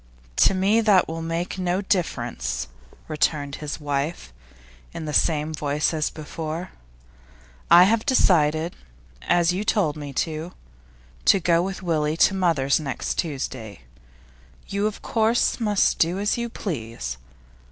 'To me that will make no difference,' returned his wife, in the same voice as before. 'I have decided as you told me to to go with Willie to mother's next Tuesday. You, of course, must do as you please.